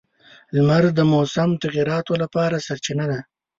• لمر د موسم تغیراتو لپاره سرچینه ده.